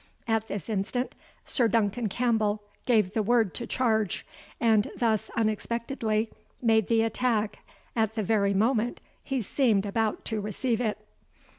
At this instant, Sir Duncan Campbell gave the word to charge, and thus unexpectedly made the attack at the very moment he seemed about to receive it.